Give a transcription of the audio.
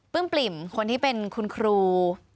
ปลิ่มคนที่เป็นคุณครู